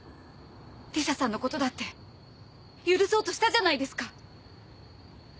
理紗さんのことだって許そうとしたじゃないですか！